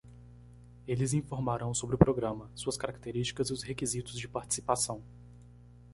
Eles informarão sobre o programa, suas características e os requisitos de participação.